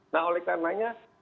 nah oleh karenanya